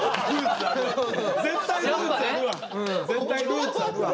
絶対ルーツあるわ！